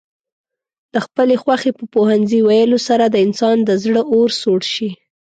د خپلې خوښې په پوهنځي ويلو سره د انسان د زړه اور سوړ شي.